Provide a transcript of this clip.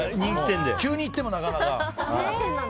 急に行っても、なかなか。